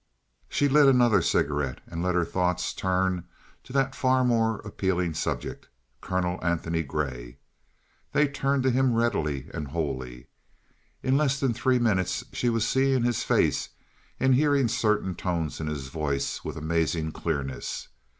She lit another cigarette and let her thoughts turn to that far more appealing subject, Colonel Antony Grey. They turned to him readily and wholly. In less than three minutes she was seeing his face and hearing certain tones in his voice with amazing clearness.